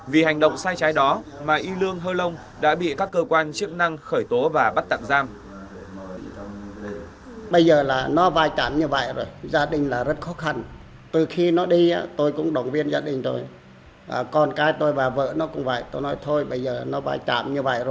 vì hành động sai trái đó mà y lương hơ long đã bị các cơ quan chức năng khởi tố và bắt tặng giam